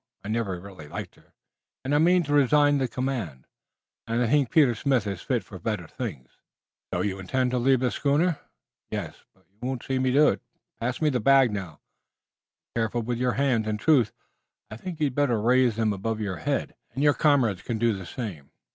I've never really liked her, and I mean to resign the command. I think Peter Smith is fit for better things." "So, you intend to leave the schooner?" "Yes, but you won't see me do it. Pass me the bag now. Be careful with your hands. In truth, I think you'd better raise them above your head, and your comrades can do the same.